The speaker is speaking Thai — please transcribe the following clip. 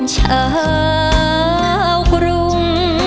ชาวกรุง